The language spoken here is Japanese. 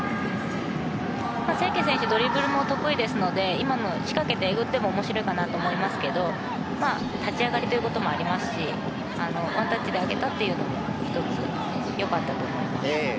清家選手はドリブルも得意ですので今も、仕掛けてえぐっていくのも面白かったと思いますが立ち上がりということもありますしワンタッチで上げたというのも１つ、良かったと思います。